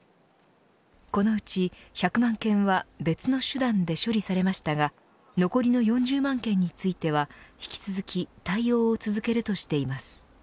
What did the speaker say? このうち１００万件は別の手段で処理されましたが残りの４０万件については引き続き対応を続けるとしています。